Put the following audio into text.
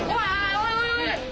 おいおい！